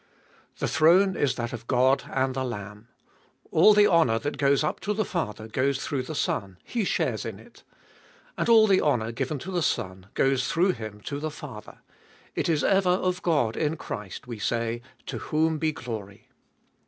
The throne is that of God and the Lamb. All the honour that goes up to the Father goes through 35 546 Gbe tooliest of 2111 the Son ; He shares in it. And all the honour given to the Son, goes through Him to the Father. It is ever of God in Christ we say, To whom be glory.